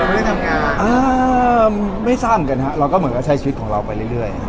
ไม่ได้ทำงานอ่าไม่สร้างกันฮะเราก็เหมือนกับใช้ชีวิตของเราไปเรื่อยเรื่อย